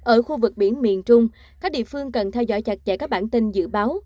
ở khu vực biển miền trung các địa phương cần theo dõi chặt chẽ các bản tin dự báo